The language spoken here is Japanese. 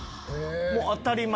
もう当たり前。